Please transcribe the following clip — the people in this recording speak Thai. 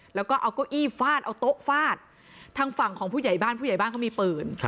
แล้วก็เอาเก้าอี้ฟาดเอาโต๊ะฟาดทางฝั่งของผู้ใหญ่บ้านผู้ใหญ่บ้านเขามีปืน